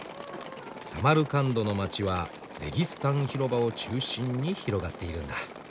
サマルカンドの街は「レギスタン広場」を中心に広がっているんだ。